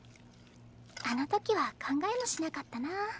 あのときは考えもしなかったな。